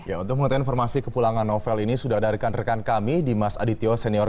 ya untuk mengetahui informasi kepulangan novel ini sudah ada rekan rekan kami dimas adityo senior